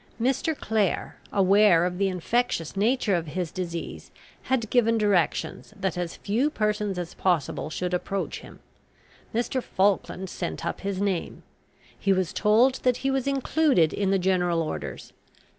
Mr. Clare, aware of the infectious nature of his disease, had given directions that as few persons as possible should approach him. Mr. Falkland sent up his name. He was told that he was included in the general orders.